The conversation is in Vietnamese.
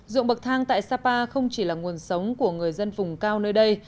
dụng bậc thang tại sapa không chỉ là nguồn sống của người dân vùng cao nơi đây